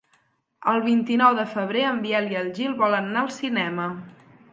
El vint-i-nou de febrer en Biel i en Gil volen anar al cinema.